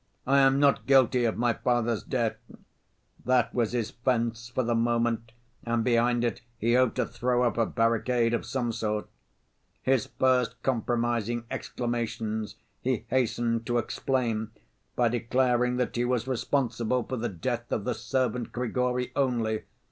'I am not guilty of my father's death.' That was his fence for the moment and behind it he hoped to throw up a barricade of some sort. His first compromising exclamations he hastened to explain by declaring that he was responsible for the death of the servant Grigory only.